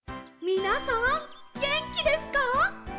みなさんげんきですか？